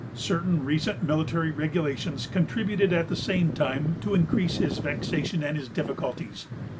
Certain recent military regulations contributed at the same time to increase his vexation and his difficulties.